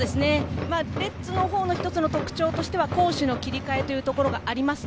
レッズの特徴としては攻守の切り替えというところがあります。